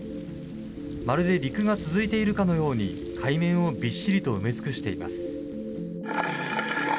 まるで陸が続いているかのように海面をびっしりと埋め尽くしています。